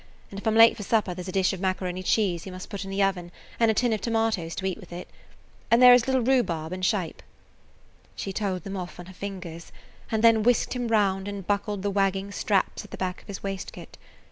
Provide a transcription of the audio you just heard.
And if I 'm late for supper, there 's a dish of macaroni cheese you must put in the oven and a tin of tomatoes to eat with it. And there is a little rhubarb and shape." She told them off on her fingers, and then whisked him round and buckled the wagging straps at the back of his waistcoat.